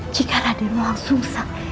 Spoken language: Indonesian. jika raden wolang sungsang